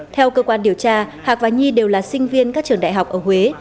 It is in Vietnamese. theo cơ quan điều tra hạc và nhi đều là sinh viên các trường đại học ở huế